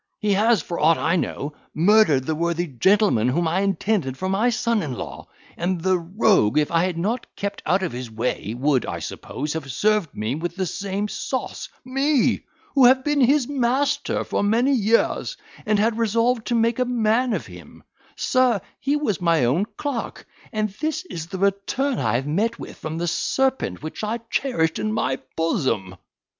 he has, for aught I know, murdered the worthy gentleman whom I intended for my son in law; and the rogue, if I had not kept out of his way, would, I suppose, have served me with the same sauce. Me! who have been his master for many years, and had resolved to make a man of him. Sir, he was my own clerk, and this is the return I have met with from the serpent which I cherished in my bosom."